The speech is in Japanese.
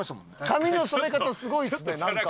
髪の染め方すごいですねなんか。